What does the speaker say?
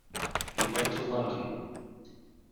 He went to London.